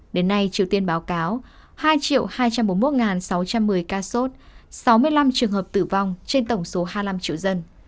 đến nay triều tiên báo cáo hai hai trăm bốn mươi một sáu trăm một mươi ca sốt sáu mươi năm trường hợp tử vong trên tổng số hai mươi năm triệu dân